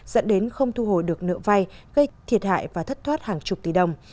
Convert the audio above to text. dẫn đến không thu hồi được nợ vay gây thiệt hại và thất thoát hàng chục tỷ đồng